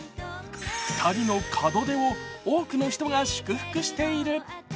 ２人の門出を多くの人が祝福している。